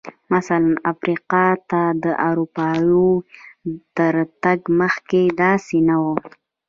مثلاً افریقا ته د اروپایانو تر تګ مخکې داسې نه و.